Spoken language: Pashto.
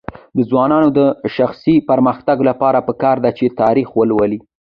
د ځوانانو د شخصي پرمختګ لپاره پکار ده چې تاریخ ولولي.